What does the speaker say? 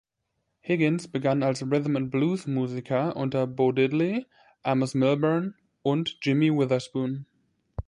Higgins begann als Rhythm and Blues-Musiker unter Bo Diddley, Amos Milburn und Jimmy Witherspoon.